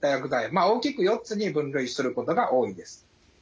まあ大きく４つに分類することが多いです。